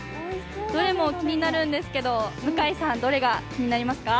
どれも気になるんですけど、向井さんどれが気になりますか？